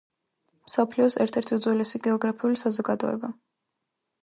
მსოფლიოს ერთ-ერთი უძველესი გეოგრაფიული საზოგადოება.